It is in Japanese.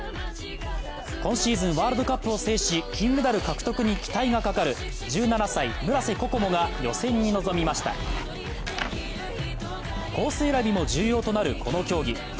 今シーズンワールドカップを制し、金メダル獲得に期待がかかる１７歳、村瀬心椛が予選に臨みましたコース選びも重要となるこの競技。